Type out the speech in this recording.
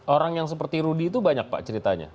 orang yang seperti rudy itu banyak pak ceritanya